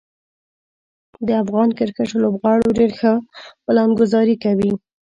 د افغان کرکټ لوبغاړو ډیر ښه پلانګذاري کوي.